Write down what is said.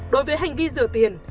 đối với hành vi rửa tiền